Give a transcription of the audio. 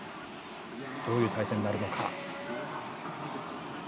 どういう対戦になるのか。